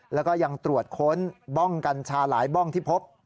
แล้วก็ยังตรวจค้นบ้องกัญชาหลายบ้องที่พบ